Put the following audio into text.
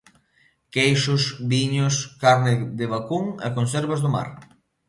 Queixos, viños, carne de vacún e conservas do mar.